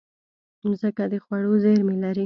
مځکه د خوړو زېرمې لري.